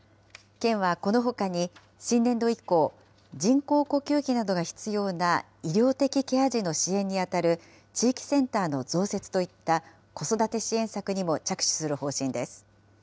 県はこのほかに、新年度以降、人工呼吸器などが必要な医療的ケア児の支援に当たる、地域センターの増設といった子育て支援策にも着手する方針です。